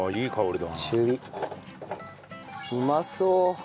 うまそう。